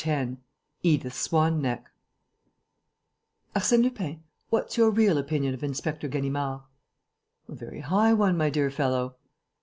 X EDITH SWAN NECK "Arsène Lupin, what's your real opinion of Inspector Ganimard?" "A very high one, my dear fellow."